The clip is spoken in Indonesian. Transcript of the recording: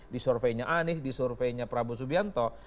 di surveinya anies di surveinya prabowo subianto